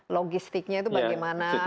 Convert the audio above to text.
logistiknya itu bagaimana